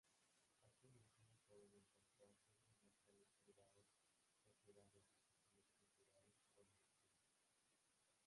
Así mismo pueden encontrarse en locales privados propiedad de asociaciones culturales o de vecinos.